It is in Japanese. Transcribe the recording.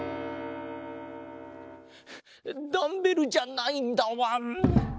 ダンベルじゃないんだわん。